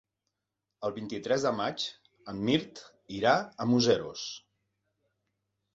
El vint-i-tres de maig en Mirt irà a Museros.